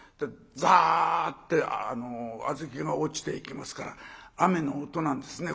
ザッて小豆が落ちていきますから雨の音なんですね。